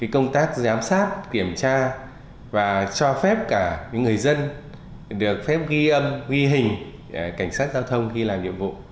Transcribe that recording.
công tác giám sát kiểm tra và cho phép cả người dân được phép ghi âm ghi hình cảnh sát giao thông khi làm nhiệm vụ